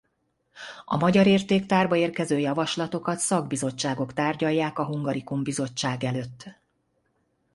A Magyar Értéktárba érkező javaslatokat szakbizottságok tárgyalják a Hungarikum Bizottság előtt.